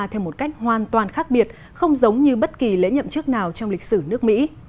theo một cách hoàn toàn khác biệt không giống như bất kỳ lễ nhậm chức nào trong lịch sử nước mỹ